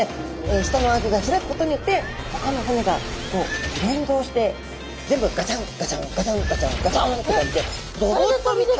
下の顎が開くことによってほかの骨が連動して全部ガチャンガチャンガチャンガチャンガチャンって感じでロボットみたい。